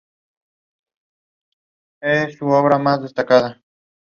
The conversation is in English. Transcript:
Music of Cuba